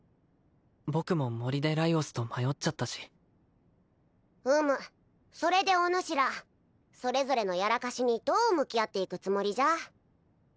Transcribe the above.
僕も森でライオスと迷っちゃったしうむそれでおぬしらそれぞれのやらかしにどう向き合っていくつもりじゃ？